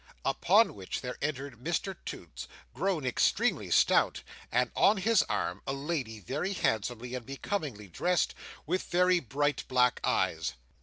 Upon which there entered Mr Toots, grown extremely stout, and on his arm a lady very handsomely and becomingly dressed, with very bright black eyes.